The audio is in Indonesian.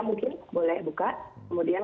mungkin boleh buka kemudian